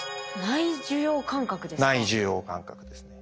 内受容感覚ですね。